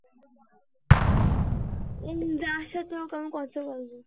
দেশে স্বাস্থ্যসম্মত কসাইখানার অভাবে ভালো মানের মাংস খাওয়া থেকে মানুষ বঞ্চিত হচ্ছে।